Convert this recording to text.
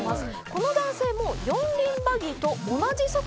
この男性も。